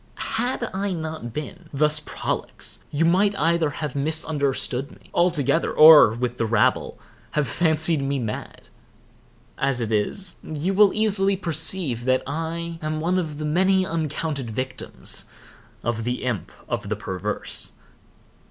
Had I not been thus prolix, you might either have misunderstood me altogether, or, with the rabble, have fancied me mad. As it is, you will easily perceive that I am one of the many uncounted victims of the Imp of the Perverse.